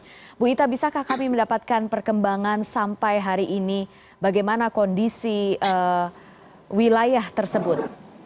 ibu ita bisakah kami mendapatkan perkembangan sampai hari ini bagaimana kondisi wilayah tersebut